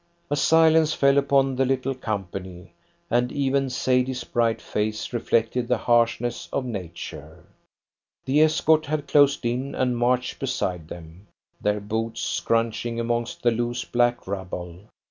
A silence fell upon the little company, and even Sadie's bright face reflected the harshness of Nature. The escort had closed in, and marched beside them, their boots scrunching among the loose black rubble.